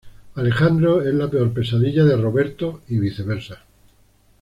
Alejandro es la peor pesadilla de Roberto y viceversa.